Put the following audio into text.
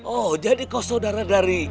oh jadi kau saudara dari